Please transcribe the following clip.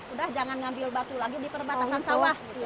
udah jangan ngambil batu lagi di perbatasan sawah